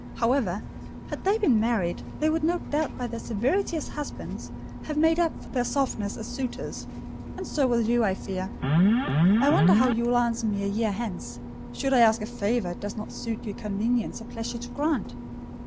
However, had they been married, they would no doubt by their severity as husbands have made up for their softness as suitors; and so will you, I fear. I wonder how you will answer me a year hence, should I ask a favour it does not suit your convenience or pleasure to grant."